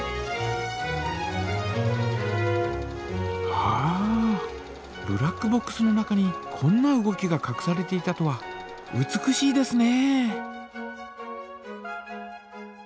はあブラックボックスの中にこんな動きがかくされていたとは美しいですね！